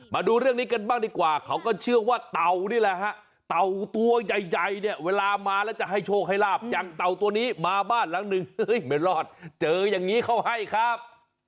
มาดูเรื่องนี้กันบ้างดีกว่าเขาก็เชื่อว่าเต่านี่แหละฮะเต่าตัวใหญ่เนี่ยเวลามาแล้วจะให้โชคให้ลาบอย่างเต่าตัวนี้มาบ้านหลังหนึ่งเฮ้ยไม่รอดเจออย่างนี้เขาให้ครับ